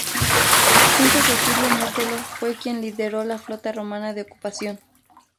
Quinto Cecilio Metelo fue quien lideró la flota romana de ocupación.